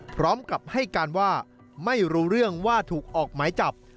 พร้อมกับให้การว่าไม่รู้เรื่องว่าถูกออกหมายจับ